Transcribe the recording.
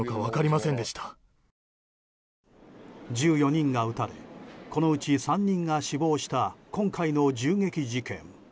１４人が撃たれこのうち３人が死亡した今回の銃撃事件。